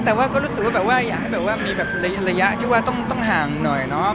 แต่ก็รู้สึกว่าอยากให้มีระยะที่ว่าต้องห่างหน่อยเนาะ